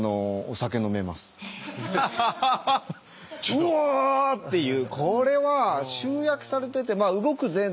「うぉっ！」っていう。